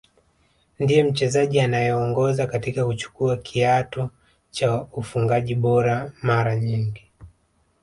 Ndiye mchezaji anayeongoza kwa kuchukua kiatu cha ufungaji bora mara nyingi